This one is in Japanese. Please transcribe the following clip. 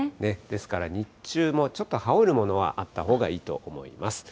ですから、日中もちょっと羽織るものはあったほうがいいと思います。